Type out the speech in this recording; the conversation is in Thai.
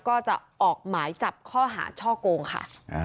ก็จะออกหมายจับข้อหาช่อโกงค่ะ